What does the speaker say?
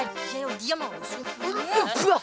iya yaudah diam awas